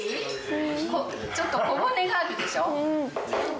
ちょっと小骨があるでしょ？